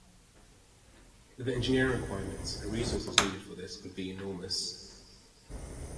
The engineering requirements and resources needed for this would be enormous.